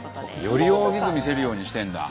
より大きく見せるようにしてるんだ。